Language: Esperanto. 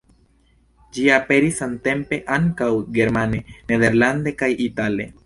Ĝi aperis samtempe ankaŭ germane, nederlande kaj itale.